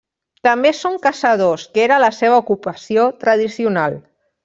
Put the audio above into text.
També són caçadors, que era la seva ocupació tradicional.